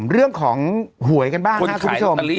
เรื่องของหวยกันบ้างครับคุณผู้ชม